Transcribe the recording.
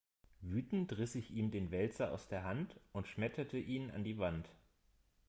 Wütend riss ich ihm den Wälzer aus der Hand und schmetterte ihn an die Wand.